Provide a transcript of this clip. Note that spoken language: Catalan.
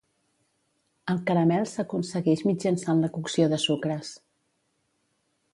El caramel s'aconseguix mitjançant la cocció de sucres.